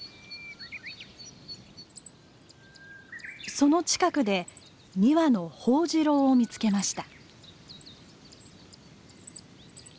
その近くで２羽のホオジロを見つけました。